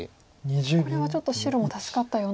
これはちょっと白も助かったような。